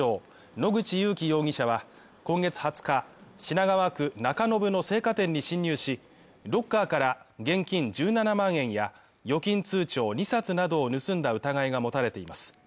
野口勇樹容疑者は今月２０日、品川区中延の青果店に侵入し、ロッカーから現金１７万円や預金通帳２冊などを盗んだ疑いが持たれています。